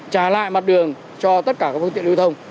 trả lại mặt đường cho tất cả các phương tiện lưu thông